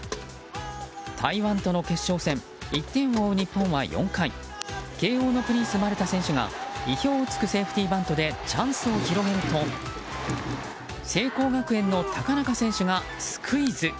台湾との決勝戦１点を追う日本は４回慶應のプリンス、丸田選手が意表を突くセーフティーバントでチャンスを広げると聖光学園の高中選手がスクイズ。